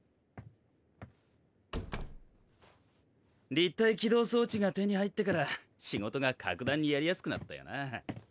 立体機動装置が手に入ってから仕事が格段にやりやすくなったよなぁ。